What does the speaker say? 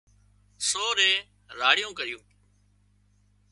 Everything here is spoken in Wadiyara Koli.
سورئي راڙيون ڪريون